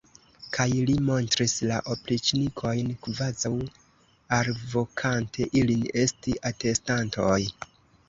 Kaj li montris la opriĉnikojn, kvazaŭ alvokante ilin esti atestantoj.